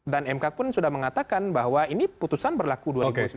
dan mk pun sudah mengatakan bahwa ini putusan berlaku dua ribu sembilan belas